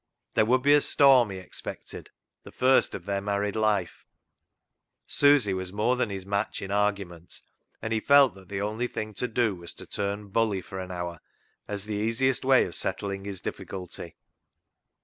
There would be a storm, he expected, — the first of their married life. Susy was more than his match in argument, and he felt that the only thing to do was to turn bully for an hour as the easiest way of settling his difficulty.